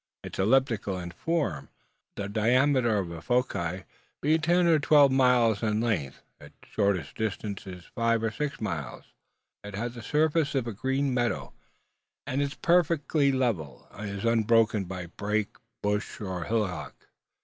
It is elliptical in form, the diameter of its foci being ten or twelve miles in length. Its shortest diameter is five or six miles. It has the surface of a green meadow, and its perfect level is unbroken by brake, bush, or hillock.